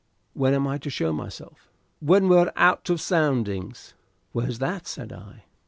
"When am I to show myself?" "When we're out of Soundings." "Where's that?" said I.